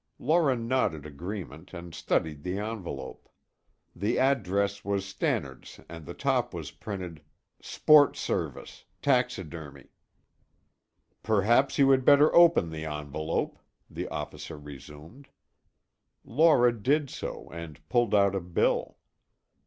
Laura nodded agreement and studied the envelope. The address was Stannard's and at the top was printed, Sports service. Taxidermy. "Perhaps you had better open the envelope," the officer resumed. Laura did so and pulled out a bill.